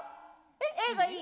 Ａがいい？